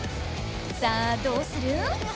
さあどうする？